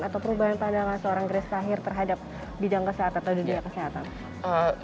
atau perubahan pandangan seorang grace tahir terhadap bidang kesehatan atau dunia kesehatan